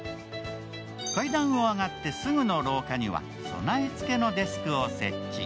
階段を上がってすぐの廊下には備え付けのデスクを設置。